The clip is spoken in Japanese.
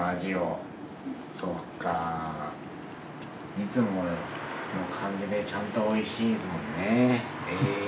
いつもの感じでちゃんとおいしいんですもんね。